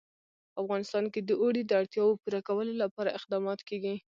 په افغانستان کې د اوړي د اړتیاوو پوره کولو لپاره اقدامات کېږي.